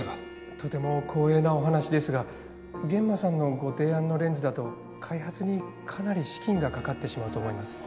とても光栄なお話ですが諫間さんのご提案のレンズだと開発にかなり資金がかかってしまうと思います。